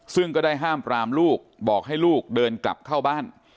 ซึ่งก็ได้ห้ามปรามลูกบอกให้ลูกเดินกลับเข้าบ้าน